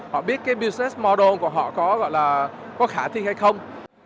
họ biết business model của họ có khả thi hay không